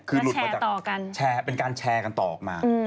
แล้วแชร์ต่อกันเป็นการแชร์กันต่อออกมา